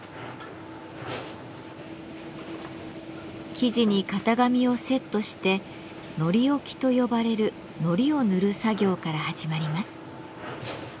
生地に型紙をセットして「糊おき」と呼ばれる糊を塗る作業から始まります。